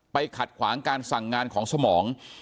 ขัดขวางการสั่งงานของสมอง